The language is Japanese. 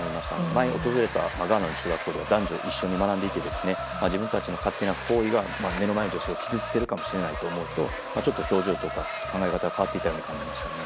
前訪れたガーナの中学校では男女一緒に学んでいて自分たちの勝手な行為が目の前の女性を傷つけるかもしれないと思うとちょっと表情とか考え方が変わったように見えましたね。